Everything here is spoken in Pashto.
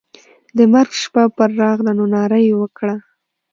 د مرګ شپه پر راغله نو ناره یې وکړه.